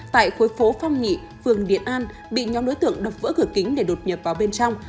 tại khối phố phong nhị phường điện an bị nhóm đối tượng đập vỡ cửa kính để đột nhập vào bên trong